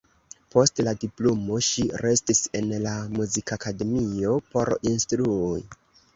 Post la diplomo ŝi restis en la Muzikakademio por instrui.